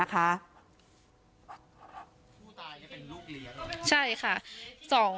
ผู้ตายจะเป็นลูกเลี้ยง